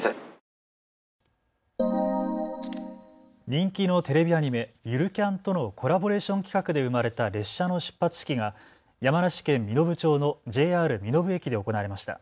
人気のテレビアニメ、ゆるキャン△とのコラボレーション企画で生まれた列車の出発式が山梨県身延町のＪＲ身延駅で行われました。